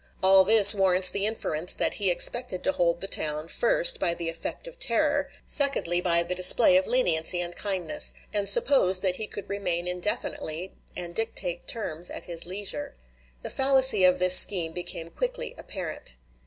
All this warrants the inference that he expected to hold the town, first, by the effect of terror; secondly, by the display of leniency and kindness; and supposed that he could remain indefinitely, and dictate terms at his leisure. The fallacy of this scheme became quickly apparent.